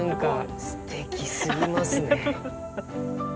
すてきすぎますね。